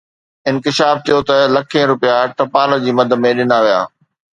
انڪشاف ٿيو آهي ته لکين رپيا ٽپال جي مد ۾ ڏنا ويا